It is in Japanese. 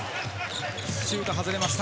シュート外れました。